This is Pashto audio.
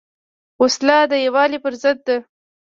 وسله د یووالي پر ضد ده